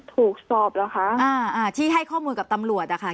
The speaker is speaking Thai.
ถูกสอบแล้วค่ะอ่าอ่าที่ให้ข้อมูลกับตำลวจอ่ะค่ะ